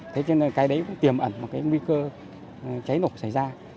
thế cho nên cái đấy cũng tiềm ẩn một cái nguy cơ cháy nổ xảy ra